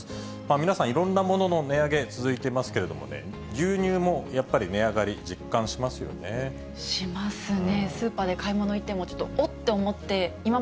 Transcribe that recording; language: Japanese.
皆さん、いろんなものの値上げ、続いてますけれどもね、牛乳もやっぱり値上がり実感しますよね。